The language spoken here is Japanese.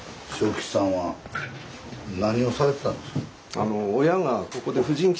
吉さんは何をされてたんですか？